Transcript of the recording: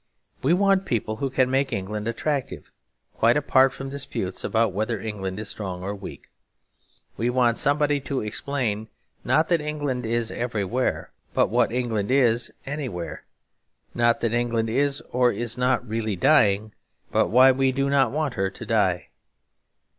We want people who can make England attractive; quite apart from disputes about whether England is strong or weak. We want somebody to explain, not that England is everywhere, but what England is anywhere; not that England is or is not really dying, but why we do not want her to die.